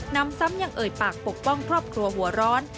นำซ้ำยังเอ่ยปากปกป้องครอบครัวหัวร้อน